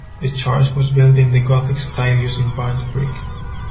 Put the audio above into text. The church was built in the Gothic style using burnt brick.